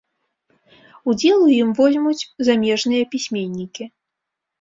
Удзел у ім возьмуць замежныя пісьменнікі.